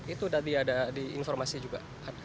itu tadi ada di informasi juga